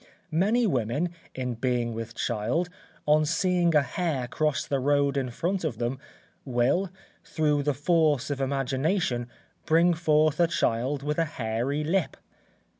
Many women, in being with child, on seeing a hare cross the road in front of them, will, through the force of imagination, bring forth a child with a hairy lip.